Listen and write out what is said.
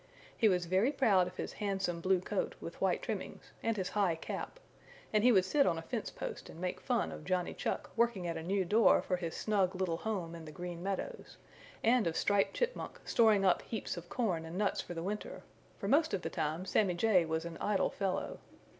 He was very proud of his handsome blue coat with white trimmings and his high cap, and he would sit on a fence post and make fun of Johnny Chuck working at a new door for his snug little home in the Green Meadows, and of Striped Chipmunk storing up heaps of corn and nuts for the winter, for most of the time Sammy Jay was an idle fellow.